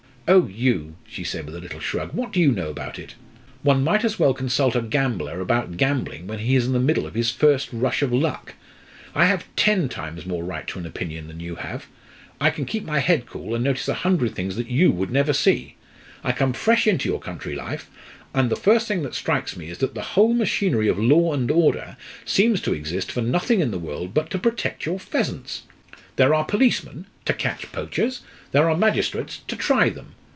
"Oh, you!" she said, with a little shrug; "what do you know about it? One might as well consult a gambler about gambling when he is in the middle of his first rush of luck. I have ten times more right to an opinion than you have. I can keep my head cool, and notice a hundred things that you would never see. I come fresh into your country life, and the first thing that strikes me is that the whole machinery of law and order seems to exist for nothing in the world but to protect your pheasants! There are policemen to catch poachers; there are magistrates to try them.